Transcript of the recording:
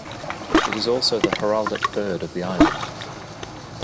It is also the heraldic bird of the island.